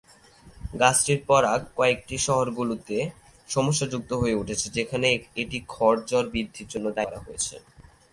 গাছটির পরাগ কয়েকটি শহরগুলিতে সমস্যাযুক্ত হয়ে উঠেছে যেখানে এটি খড় জ্বর বৃদ্ধির জন্য দায়ী করা হয়েছে।